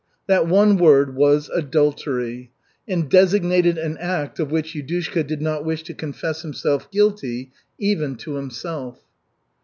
That one word was "adultery" and designated an act of which Yudushka did not wish to confess himself guilty even to himself.